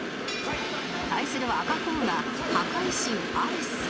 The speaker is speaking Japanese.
対するは赤コーナー破壊神アレス